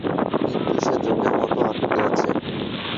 কিন্তু সে জোঁকের মত, আটকে আছে।